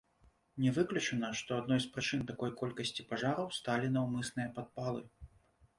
Не выключана, што адной з прычын такой колькасці пажараў сталі наўмысныя падпалы.